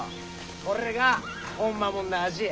これがほんまもんの味や。